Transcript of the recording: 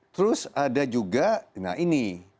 terus ada juga ini